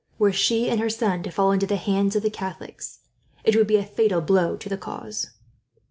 Were she and her son to fall into the hands of the Catholics, it would be a fatal blow to the cause."